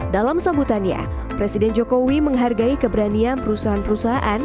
dalam sambutannya presiden jokowi menghargai keberanian perusahaan perusahaan